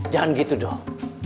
jangan gitu dong